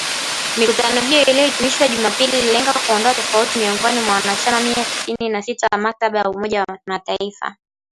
Mikutano hiyo iliyohitimishwa Jumapili ililenga kuondoa tofauti miongoni mwa wanachama Mia tisini na sita wa Mkataba wa Umoja wa Mataifa